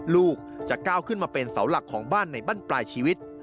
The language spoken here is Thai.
ลูกจะก้าวขึ้นมาเป็นเสาหลักของบ้านในบ้านปลายชีวิต